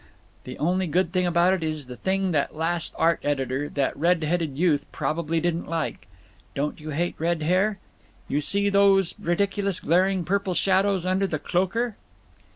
The only good thing about it is the thing that last art editor, that red headed youth, probably didn't like. Don't you hate red hair? You see these ridiculous glaring purple shadows under the _clocher?